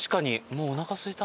もうおなかすいた。